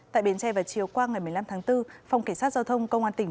tại bến tre và chiếu quang ngày một mươi năm tháng bốn phòng cảnh sát giao thông công an tỉnh